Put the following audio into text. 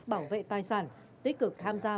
bảo vệ tài sản tích cực tham gia